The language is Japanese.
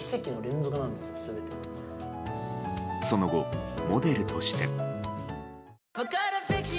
その後、モデルとして。